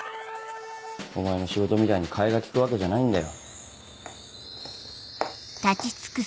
お前の仕事みたいに代えが利くわけじゃないんだよ。